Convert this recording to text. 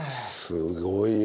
すごいよ。